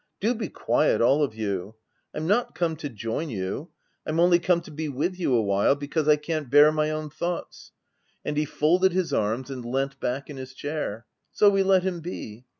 Do be quiet, all of you ! I'm not come to join you : I'm only come to be with you awhile, because OF WILDFELL HALL. 43 I can't bear my own thoughts/ And he folded his arms and leant back in his chair ; so we let him be.